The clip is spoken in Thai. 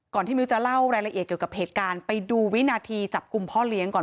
ที่มิ้วจะเล่ารายละเอียดเกี่ยวกับเหตุการณ์ไปดูวินาทีจับกลุ่มพ่อเลี้ยงก่อน